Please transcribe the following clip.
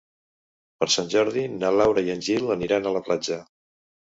Per Sant Jordi na Laura i en Gil aniran a la platja.